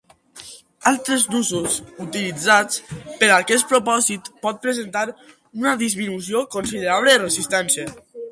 Altres nusos utilitzats per a aquest propòsit pot presentar una disminució considerable de resistència.